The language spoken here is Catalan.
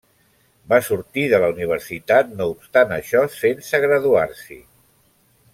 Va sortir de la universitat, no obstant això, sense graduar-s'hi.